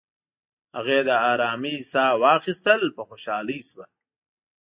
هغې د آرامی ساه واخیستل، په خوشحالۍ شوه.